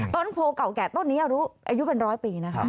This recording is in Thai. ต้นโพเก่าแก่ต้นนี้อายุเป็นร้อยปีนะคะ